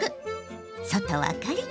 外はカリッ！